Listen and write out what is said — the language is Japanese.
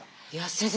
先生